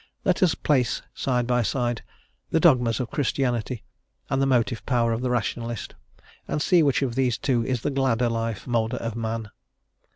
Let us place side by side the dogmas of Christianity and the motive power of the Rationalist, and see which of these two is the gladder life moulder of man.